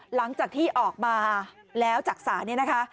หลังจากที่ออกมาแล้วจักษาแล้วคะ